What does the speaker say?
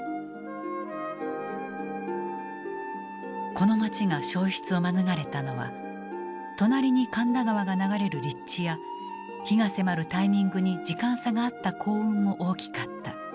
この町が焼失を免れたのは隣に神田川が流れる立地や火が迫るタイミングに時間差があった幸運も大きかった。